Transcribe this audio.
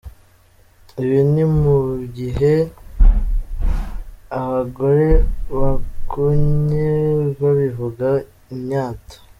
Ibi ni mu gihe abagore bakunnye babivuga imyato.